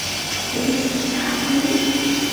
北起霞飞路。